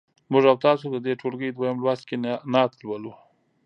موږ او تاسو د دې ټولګي دویم لوست کې نعت لولو.